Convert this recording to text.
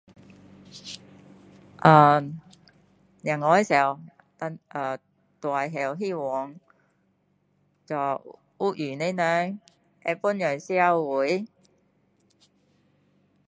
啊小时候 dan 大的时候希望做有用的人会帮助社会